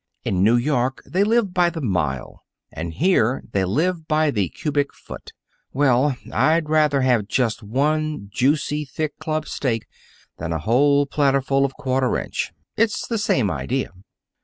In New York, they live by the mile, and here they live by the cubic foot. Well, I'd rather have one juicy, thick club steak than a whole platterful of quarter inch. It's the same idea."